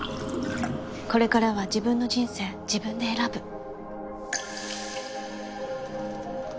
これからは自分の人生自分で選ぶ。